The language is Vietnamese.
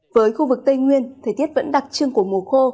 với khu vực tây nguyên thời tiết vẫn đặc trưng của mùa khô